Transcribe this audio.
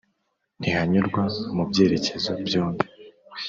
Ntihanyurwa mu byerekezo byombi